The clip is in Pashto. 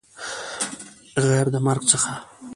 غیر د مرګ څخه